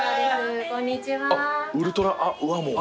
ウルトラウアモウ。